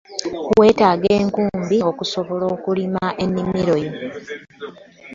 Wetaaga enkumbi okusobola okulima emimiro yo.